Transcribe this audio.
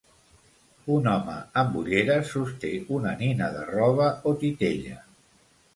Un home amb ulleres sosté una nina de roba o titella.